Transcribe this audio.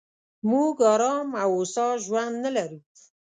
موږ ارام او هوسا ژوند نه لرو.